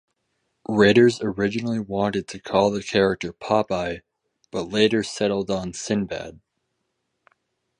Writers originally wanted to call the character "Popeye" but later settled on Sinbad.